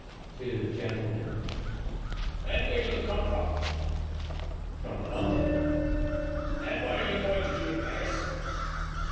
"Two gentlemen." "And where do you come from?" "From London." "And what are you going to do in Paris?"